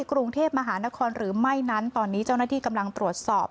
กรุงเทพมหานครหรือไม่นั้นตอนนี้เจ้าหน้าที่กำลังตรวจสอบ